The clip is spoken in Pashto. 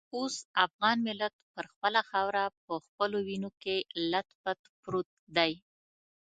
اوس افغان ملت پر خپله خاوره په خپلو وینو کې لت پت پروت دی.